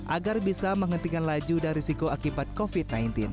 agar bisa menghentikan laju dan risiko akibat covid sembilan belas